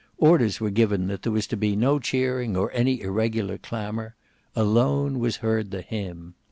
Orders were given that there was to be no cheering or any irregular clamour. Alone was heard the hymn.